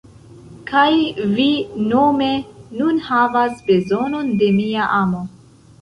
Kaj vi nome nun havas bezonon de mia amo.